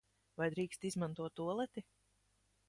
Vai drīkst izmantot tualeti?